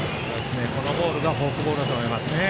このボールがフォークボールだと思いますね。